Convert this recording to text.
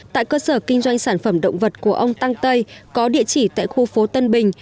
tại cơ sở kinh doanh sản phẩm động vật của ông tăng tây có địa chỉ tại khu phố tân bình